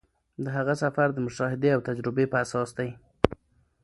د هغه سفر د مشاهدې او تجربې پر اساس دی.